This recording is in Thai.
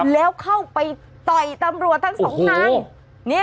แล้วเข้าไปต่อยตำรวจทั้งสองครั้ง